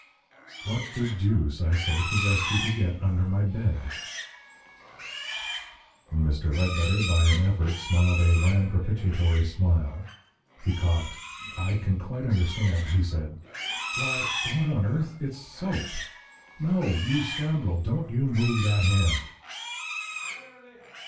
"What the deuce, I say, possessed you to get under my bed?" Mr. Ledbetter, by an effort, smiled a wan propitiatory smile. He coughed. "I can quite understand " he said. "Why! What on earth? It's SOAP! No! you scoundrel. Don't you move that hand."